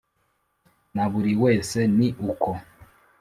na buri wese ni uko.